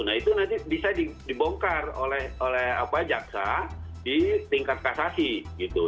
nah itu nanti bisa dibongkar oleh jaksa di tingkat kasasi gitu